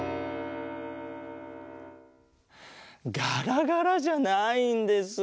ガラガラじゃないんです。